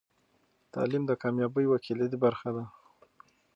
تعلیم د کامیابۍ یوه کلیدي برخه ده.